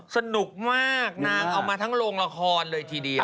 สนุกมากนางเอามาทั้งโรงละครทุกทีเอง